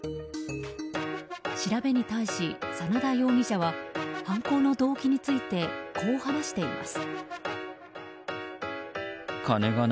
調べに対し、真田容疑者は犯行の動機についてこう話しています。